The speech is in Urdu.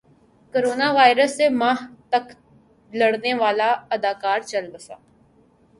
کورونا وائرس سے ماہ تک لڑنے والا اداکار چل بسا